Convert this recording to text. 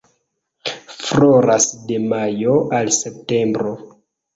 Floras de majo al septembro.